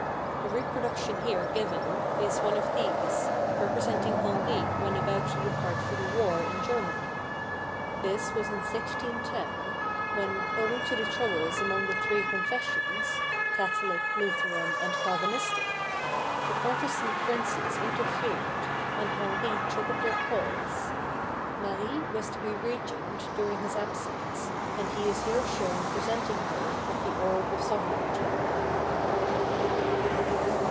The reproduction here given is one of these, representing Henri when about to depart for the war in Germany. This was in 16 10, when, owing to the troubles among the three confessions, — Catholic, Lutheran, and Calvinistic, — the Protestant princes interfered, and Henri took up their cause. Marie was to be regent during his ab sence, and he is here shown presentmg her with the orb of sovereignty.